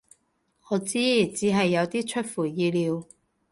我知，只係有啲出乎意料